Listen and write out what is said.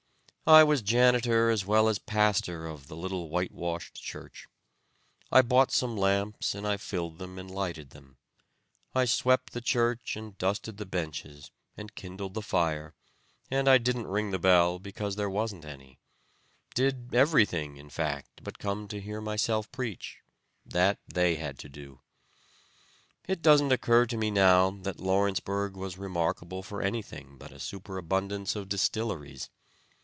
I was janitor as well as pastor of the little white washed church. I bought some lamps and I filled them and lighted them. I swept the church and dusted the benches, and kindled the fire, and I didn't ring the bell, because there wasn't any; did everything in fact but come to hear myself preach, that they had to do. It doesn't occur to me now that Lawrenceburg was remarkable for anything but a superabundance of distilleries.